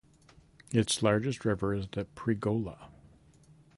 Its largest river is the Pregolya.